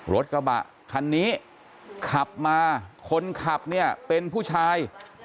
รถกระบะคันนี้ขับมาคนขับเนี่ยเป็นผู้ชาย